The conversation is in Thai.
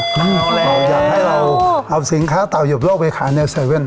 เราอยากให้เราเอาสินค้าเต่าหยิบโลกไปขายในเซเว่น